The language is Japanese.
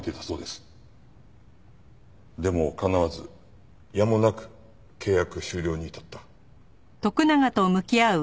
でもかなわずやむなく契約終了に至った。